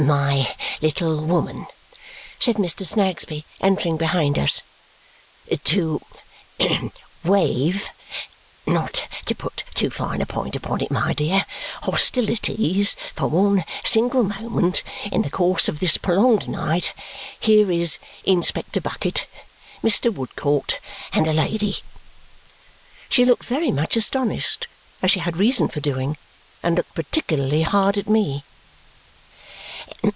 "My little woman," said Mr. Snagsby, entering behind us, "to wave not to put too fine a point upon it, my dear hostilities for one single moment in the course of this prolonged night, here is Inspector Bucket, Mr. Woodcourt, and a lady." She looked very much astonished, as she had reason for doing, and looked particularly hard at me.